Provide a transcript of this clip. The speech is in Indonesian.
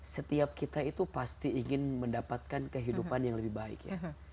setiap kita itu pasti ingin mendapatkan kehidupan yang lebih baik ya